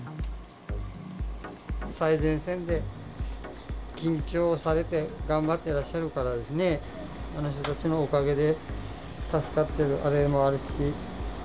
最前線で緊張されて頑張っていらっしゃるからですね、あの人たちのおかげで助かっているあれもあるし。